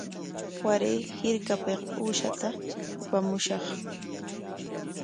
Waray hirpapik uqshata apamushaq.